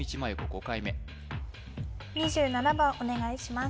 ５回目２７番お願いします